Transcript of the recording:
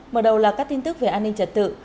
mở đầu là các tin tức về an ninh trật tự